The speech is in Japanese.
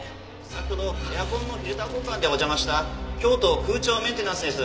先ほどエアコンのフィルター交換でお邪魔した京都空調メンテナンスです。